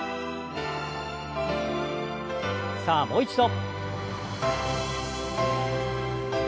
さあもう一度。